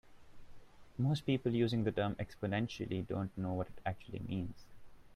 Most people using the term "exponentially" don't know what it actually means.